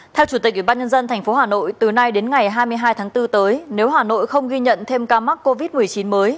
theo chủ tịch ubnd tp hà nội từ nay đến ngày hai mươi hai tháng bốn tới nếu hà nội không ghi nhận thêm ca mắc covid một mươi chín mới